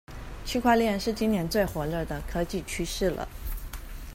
區塊鏈是今年最火熱的科技趨勢了